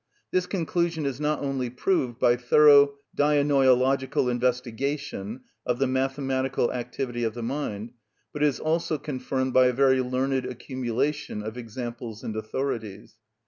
This conclusion is not only proved by thorough dianoiological investigation of the mathematical activity of the mind, but is also confirmed by a very learned accumulation of examples and authorities.